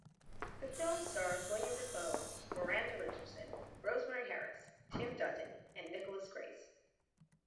The film stars Willem Dafoe, Miranda Richardson, Rosemary Harris, Tim Dutton and Nickolas Grace.